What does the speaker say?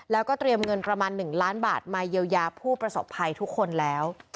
แล้วก็เตรียมเงินประมาณ๑ล้านบาทมาเยียวยาผู้ประสบภัยทุกคนแล้ว